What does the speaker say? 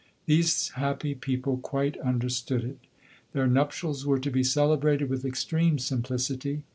These happy people quite understood it. Their nuptials were to be celebrated with extreme simplicity.